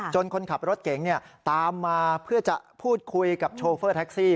คนขับรถเก๋งตามมาเพื่อจะพูดคุยกับโชเฟอร์แท็กซี่